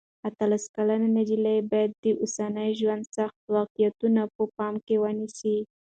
اتلس کلنه نجلۍ باید د اوسني ژوند سخت واقعیتونه په پام کې ونیسي.